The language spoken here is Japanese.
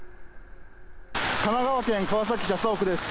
神奈川県川崎市麻生区です。